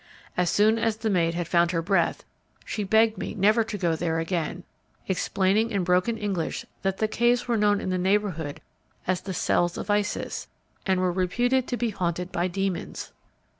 As soon as the maid had found her breath, she begged me never to go there again, explaining in broken English that the caves were known in the neighbourhood as the "Cells of Isis," and were reputed to be haunted by demons.